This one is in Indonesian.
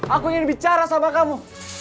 aku ingin bicara sama kamu